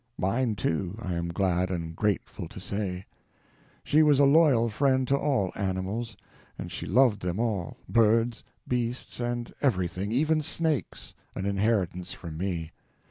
Mine too, I am glad and grateful to say. She was a loyal friend to all animals, and she loved them all, birds, beasts, and everything—even snakes—an inheritance from me.